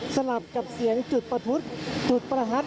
สลับกับเสียงจุดประทุดจุดประทัด